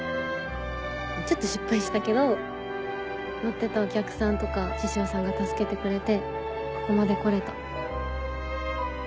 ちょっと失敗したけど乗ってたお客さんとか獅子王さんが助けてくれてここまで来れた。